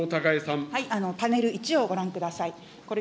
パネル１をご覧ください。